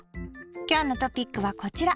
今日のトピックはこちら。